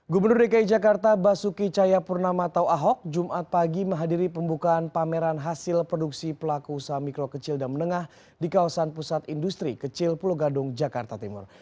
gubernur dki jakarta basuki cayapurnama atau ahok jumat pagi menghadiri pembukaan pameran hasil produksi pelaku usaha mikro kecil dan menengah di kawasan pusat industri kecil pulau gadung jakarta timur